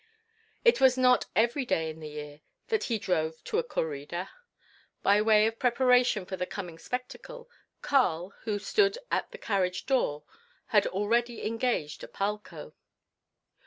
It was not every day in the year that he drove to a corrida. By way of preparation for the coming spectacle, Karl, who stood at the carriage door, had already engaged a palco.